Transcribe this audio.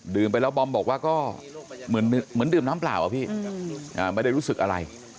ไปแล้วบอมบอกว่าก็เหมือนดื่มน้ำเปล่าอะพี่ไม่ได้รู้สึกอะไร